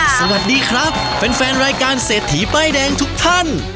สวัสดีครับเป็นแฟนรายการเสถีใบ้แดงทุกท่าน